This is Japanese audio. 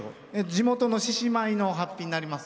地元の獅子舞のはっぴになります。